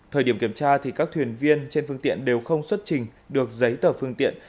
thời điểm kiểm tra các thuyền viên trên phương tiện đều không xuất trình được giấy tờ phương tiện